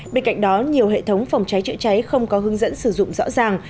bên cạnh đó nhiều hệ thống phòng cháy chữa cháy không có hướng dẫn sử dụng rõ ràng